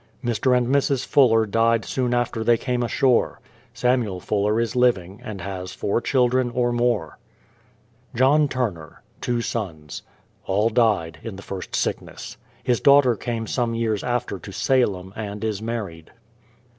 Mr. and Mrs. Fuller died soon after they came ashore. Samuel Fuller is living, and has four children, or more. JOHN TURNER; two sons. All died in the first sickness. His daughter came some years after to Salem, and is married.